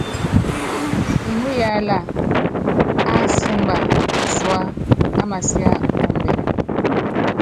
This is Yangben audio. Iŋúyaála ásuba pisuá á masiá mɔ́ ɔmbɛ́l.